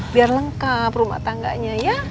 biar lengkap rumah tangganya ya